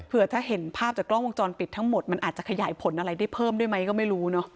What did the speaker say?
เพื่อถ้าเห็นภาพจากกล้องวงจรปิดทั้งหมดมันอาจจะขยายผลอะไรได้เพิ่มด้วยไหมก็ไม่รู้เนอะ